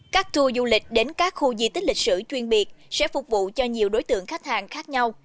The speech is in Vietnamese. các tour du lịch đến các khu di tích lịch sử chuyên biệt sẽ phục vụ cho nhiều đối tượng khách hàng khác nhau